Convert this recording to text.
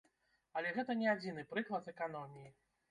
Але гэта не адзіны прыклад эканоміі.